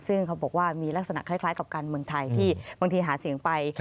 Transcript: ซึ่งเขาบอกว่ามีลักษณะคล้ายกับการเมืองไทยที่บางทีหาเสียงไป